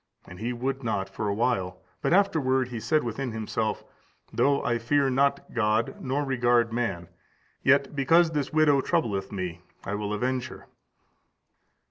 And he would not for a while: but afterward he said within himself, Though I fear not God, nor regard man; yet because this widow troubleth me, I will avenge her."